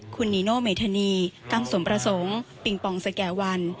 คุณนีโนเมธานีกั้งสมประสงค์ปิงปองสแก่วัน